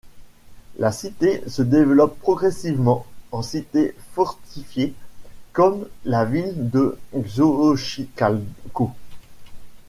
La cité se développe progressivement en cité fortifiée comme la ville de Xochicalco.